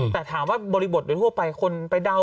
แต่ถามว่าบริบทโดยทั่วไปคนไปเดา